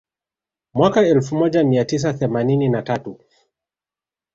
Mwaka elfu moja mia tisa themanini na tatu